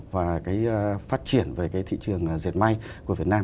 và cái phát triển về cái thị trường diệt may của việt nam